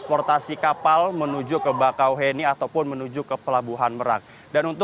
karena memang kita melihat bahwa ada beberapa mobil yang terus datang